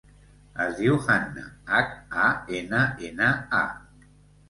Es diu Hanna: hac, a, ena, ena, a.